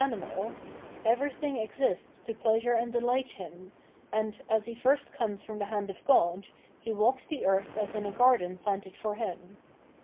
TiiTna1j — everything exists to pleasure and delight him, and, as he first comes from the hand of Grod, he walks the earth as in a' garden planted for him.